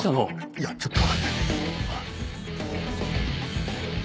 いやちょっと。